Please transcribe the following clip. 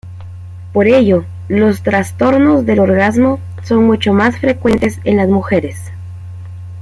Por ello, los trastornos del orgasmo son mucho más frecuentes en las mujeres.